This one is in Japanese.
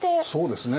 そうですね。